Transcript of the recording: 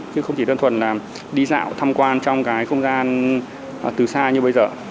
chứ không chỉ tân thuần đi dạo tham quan trong cái không gian từ xa như bây giờ